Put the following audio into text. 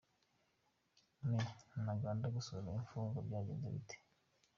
Me Ntaganda gusura infungwa byagenze bite ?